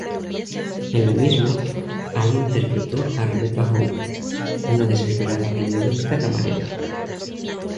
En la misma, Alley interpretó a Rebecca Howe, una desesperada y neurótica camarera.